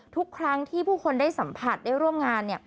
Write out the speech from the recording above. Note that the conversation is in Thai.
ทุกครั้งที่ผู้คนได้สัมผัสได้ร่วมงาน